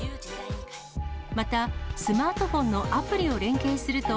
また、スマートフォンのアプリを連携すると、